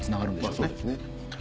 そうですね。